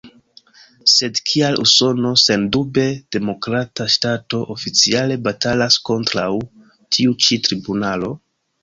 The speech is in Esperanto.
Sed kial Usono, sendube demokrata ŝtato, oficiale batalas kontraŭ tiu ĉi tribunalo?